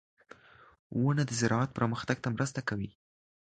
• ونه د زراعت پرمختګ ته مرسته کوي.